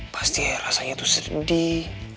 pasti rasanya tuh sedih